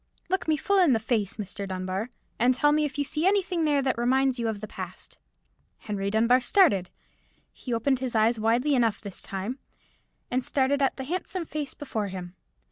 "Look me full in the face, Mr. Dunbar, and tell me if you see anything there that reminds you of the past." Henry Dunbar started. He opened his eyes widely enough this time, and started at the handsome face before him.